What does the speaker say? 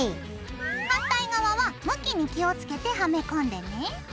反対側は向きに気をつけてはめ込んでね。